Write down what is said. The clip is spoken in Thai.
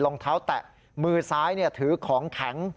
รองเท้าแตะมือซ้ายถือของแข็ง